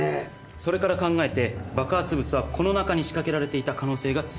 それから考えて爆発物はこの中に仕掛けられていた可能性が強いんです。